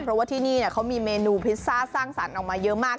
เพราะที่นี่มีเมนูพิซซ่าสร้างสรรค์มาเยอะมาก